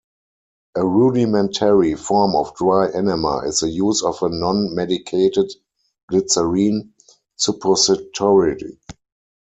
A rudimentary form of "dry" enema is the use of a non-medicated glycerin suppository.